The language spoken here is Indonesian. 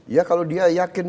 ya kalau dia yakin